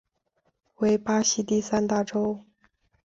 为巴西第三大州。